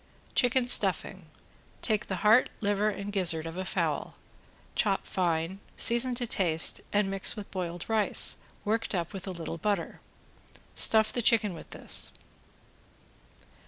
~CHICKEN STUFFING~ Take the heart, liver, and gizzard of a fowl, chop fine, season to taste and mix with boiled rice, worked up with a little butter. Stuff the chicken with this.